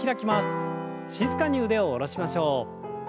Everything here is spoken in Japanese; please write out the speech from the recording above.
静かに腕を下ろしましょう。